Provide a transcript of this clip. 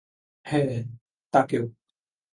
হ্যাঁ, তাকেও।